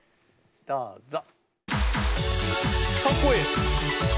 どうぞ！